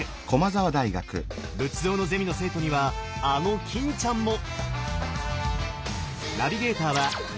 仏像のゼミの生徒にはあの欽ちゃんも！